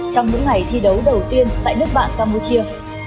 trong những ngày thi đấu đầu tiên tại nước bạn campuchia